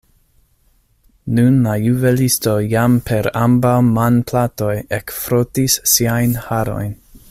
Nun la juvelisto jam per ambaŭ manplatoj ekfrotis siajn harojn.